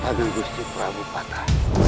agung gusti pramupata